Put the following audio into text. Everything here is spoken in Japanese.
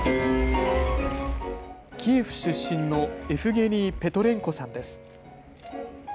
キエフ出身のエフゲニー・ペトレンコさんです。